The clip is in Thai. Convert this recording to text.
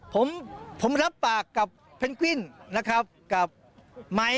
ผมผมรับปากกับเพนกวิ้นนะครับกับไม้